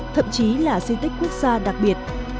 thậm chí là di tích quốc gia đặc biệt